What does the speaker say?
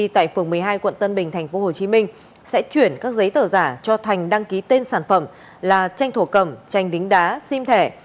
tại phường một mươi hai quận tân bình tp hcm sẽ chuyển các giấy tờ giả cho thành đăng ký tên sản phẩm là tranh thổ cầm tranh đính đá sim thẻ